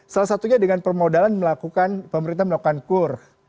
salah satunya dengan permodalan melakukan pemerintah melakukan kur